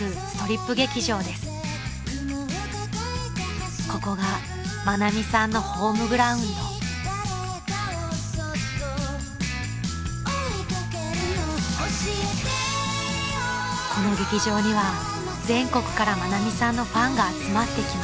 ［この劇場には全国から愛美さんのファンが集まってきます］